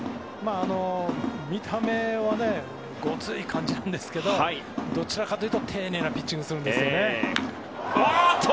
見た目はごつい感じなんですけどどちらかというと丁寧なピッチングをするんですね。